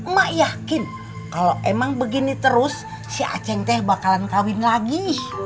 mak yakin kalau emang begini terus si aceh teh bakalan kawin lagi